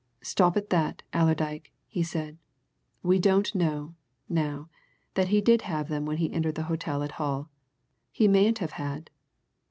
"Stop at that, Allerdyke," he said. "We don't know, now, that he did have them when he entered the hotel at Hull! He mayn't have had.